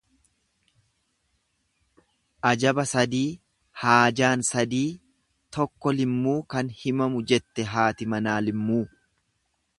Ajaba sadii, haajaan sadii tokko limmuu kan himamu jette haati manaa limmuu.